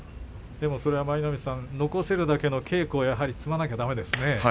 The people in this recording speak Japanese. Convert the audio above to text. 舞の海さん、それは残せるだけの稽古を積まなければだめですね。